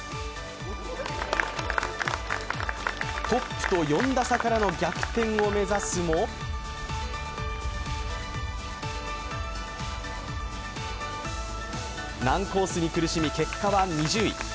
トップと４打差からの逆転を目指すも難コースに苦しみ結果は２０位。